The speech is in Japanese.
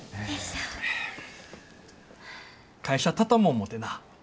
会社畳も思てな。